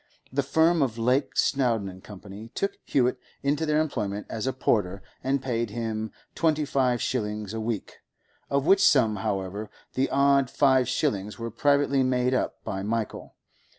The firm of Lake, Snowdon, & Co. took Hewett into their employment as a porter, and paid him twenty five shillings a week—of which sum, however, the odd five shillings were privately made up by Michael.